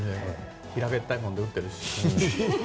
平べったいもので打ってるし。